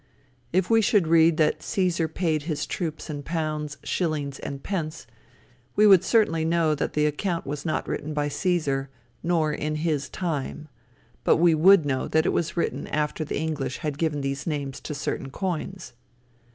If we should read that Cæsar paid his troops in pounds, shillings and pence, we would certainly know that the account was not written by Cæsar, nor in his time, but we would know that it was written after the English had given these names to certain coins.